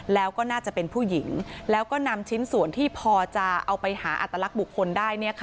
แล้วก็น่าจะเป็นผู้หญิงแล้วก็นำชิ้นส่วนที่พอจะเอาไปหาอัตลักษณ์บุคคลได้